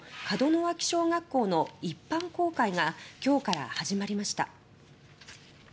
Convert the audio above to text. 門脇小学校の一般公開がきょうから始まりました。